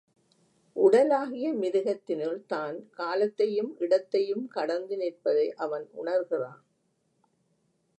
உடலாகிய மிருகத்தினுள் தான் காலத்தையும் இடத்தையும் கடந்து நிற்பதை அவன் உணர்கிறான்.